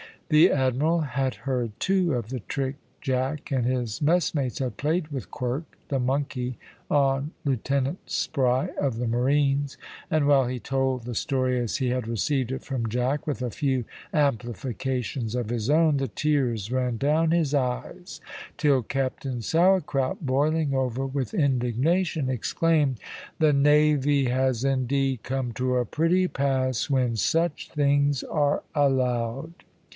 The Admiral had heard, too, of the trick Jack and his messmates had played with Quirk, the monkey, on Lieutenant Spry, of the marines, and while he told the story as he had received it from Jack, with a few amplifications of his own, the tears ran down his eyes, till Captain Sourcrout, boiling over with indignation, exclaimed: "The navy has indeed come to a pretty pass when such things are allowed.